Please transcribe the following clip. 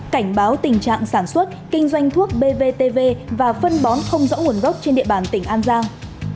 cảnh báo tình trạng sản xuất kinh doanh thuốc bvtv và phân bón không rõ nguồn gốc trên địa bàn tỉnh an giang